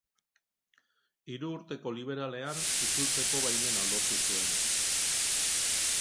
Hirurteko Liberalean itzultzeko baimena lortu zuen.